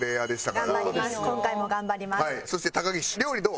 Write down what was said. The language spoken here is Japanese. そして高岸料理どう？